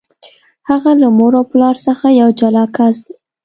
هغه له مور او پلار څخه یو جلا کس دی.